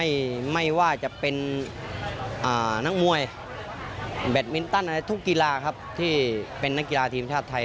ไม่ไม่ว่าจะเป็นนักมวยแบตมินตันอะไรทุกกีฬาครับที่เป็นนักกีฬาทีมชาติไทย